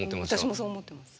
私もそう思ってます。